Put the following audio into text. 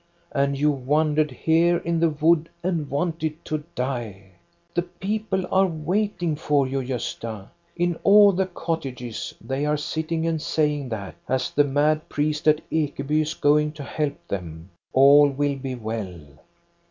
And you wandered here in the wood and wanted to die ! The people are waiting for you, Gosta. In all the cottages they are sitting and saying that, as the mad priest at Ekeby is going to help them, all will be well.